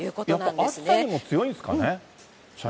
それからやっぱり暑さにも強いんですかね？